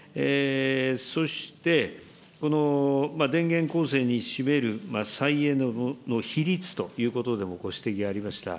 そして、電源構成に占める再エネの比率ということでもご指摘がありました。